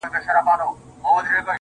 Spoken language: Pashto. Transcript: خو له دې بې شرفۍ سره په جنګ یم.